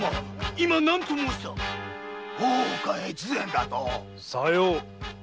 今何と申した⁉大岡越前だと⁉さよう。